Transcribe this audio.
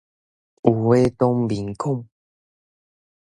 有話當面講